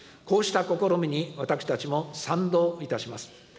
こうした試みに、私たちも賛同いたします。